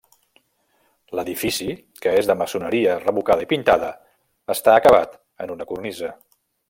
L'edifici, que és de maçoneria revocada i pintada, està acabat en una cornisa.